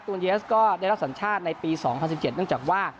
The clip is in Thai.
ตัวเยสก็ได้รับสัญชาติในปีสองพันสิบเจ็ดเนื่องจากว่า